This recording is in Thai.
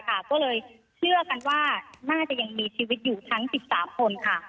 ก็เลยเชื่อกันว่าน่าจะยังมีชีวิตอยู่ทั้ง๑๓คนค่ะ